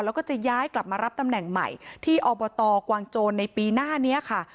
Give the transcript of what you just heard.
แล้วก็จะย้ายกลับมารับตำแหน่งใหม่ที่อบตกวางโจรในปีหน้านี้ค่ะ